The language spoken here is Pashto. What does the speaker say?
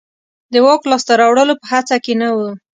د واک لاسته راوړلو په هڅه کې نه و.